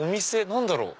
何だろう？